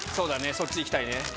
そっちいきたいね。